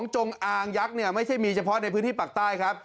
จงอางยักษ์ไม่ใช่มีเฉพาะในพื้นที่ปากใต้ครับ